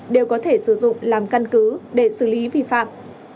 đều có thể sử dụng làm căn cứ để xử lý vi phạm